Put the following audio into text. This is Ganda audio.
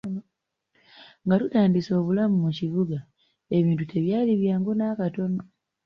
Nga tutandise obulamu mu kibuga ebintu tebyali byangu n'akatono.